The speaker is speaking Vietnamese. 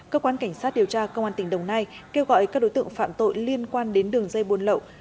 cơ quan cảnh sát điều tra công an tỉnh đồng nai kêu gọi các đối tượng phạm tội liên quan đến đường dây buôn lậu